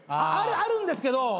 あるんですけど